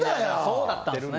そうだったんすね